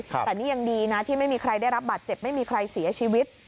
แต่นี่ยังดีนะที่ไม่มีใครได้รับบาดเจ็บไม่มีใครเสียชีวิต